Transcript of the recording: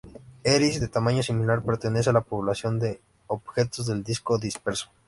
Eris, de tamaño similar, pertenece a la población de objetos del disco disperso.